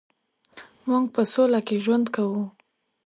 مونږ په سوله کې ژوند کوو